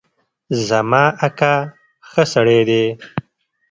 زما اکا ښه سړی دی